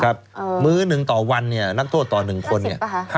ครับเออมื้อหนึ่งต่อวันเนี้ยนักโทษต่อหนึ่งคนเนี้ยห้าสิบป่ะ